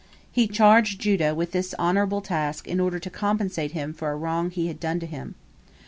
He charged Judah with this honorable task in order to compensate him for a wrong he had done him.